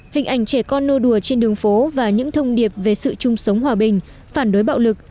hình ảnh trẻ con nô đùa trên đường phố và những thông điệp về sự chung sống hòa bình phản đối bạo lực